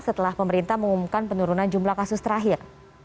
setelah pemerintah mengumumkan penurunan jumlah kasus terakhir